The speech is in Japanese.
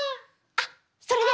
あっそれで！